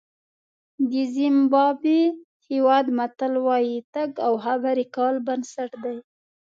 د زیمبابوې هېواد متل وایي تګ او خبرې کول بنسټ دی.